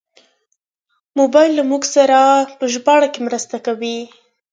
موبایل له موږ سره په ژباړه کې مرسته کوي.